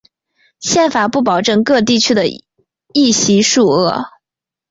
宪法不保证各地区的议席数额。